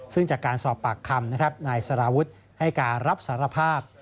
ซึ่งจากการสอบปากคำนะครับนายสารวุฒิให้การรับสารภาพ